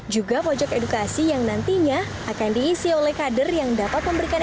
juga pojok edukasi yang nantinya akan diisi oleh kader yang dapat memberikan